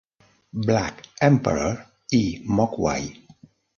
Black Emperor i Mogwai.